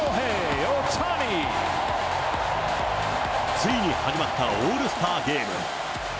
ついに始まったオールスターゲーム。